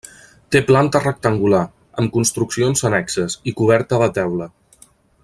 Té planta rectangular, amb construccions annexes, i coberta de teula.